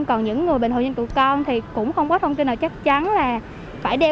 nhưng mà những người bình thường như tụi con thì cũng không có thông tin nào chắc chắn là phải đeo